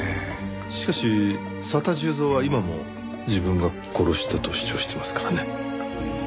しかし佐田重蔵は今も自分が殺したと主張していますからね。